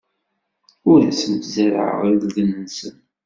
Ur asen-zerrɛeɣ irden-nsen.